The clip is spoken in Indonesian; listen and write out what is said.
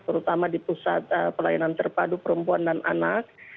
terutama di pusat pelayanan terpadu perempuan dan anak